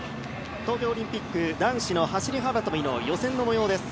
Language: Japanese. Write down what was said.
東京オリンピック男子の走り幅跳びの予選の模様です。